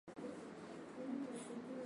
Usinioe